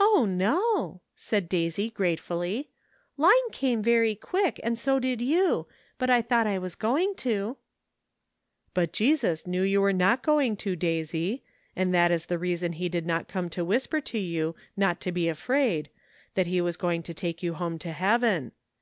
"O, no!" said Daisy gratefully, "Line came very quick, and so did you; but I thought I was going to." " But Jesus knew you were not going to, Daisy, and that is the reason he did not come to whisper to you not to be afraid, that he was going to take you home to Heaven.